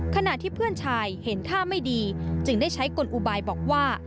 ขณะที่เพื่อนชายเห็นท่าไม่ดีจึงได้ใช้กลอุบายบอกว่า